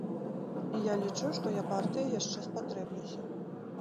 І я лічу, што я партыі яшчэ спатрэблюся.